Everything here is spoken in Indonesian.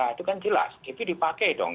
itu kan jelas itu dipakai dong